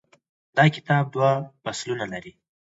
دا کتاب دوه فصلونه لري.